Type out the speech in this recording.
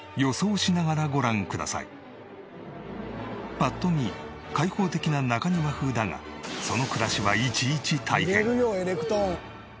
ぱっと見開放的な中庭風だがその暮らしはいちいち大変！